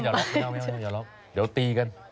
เดี๋ยวตีกัน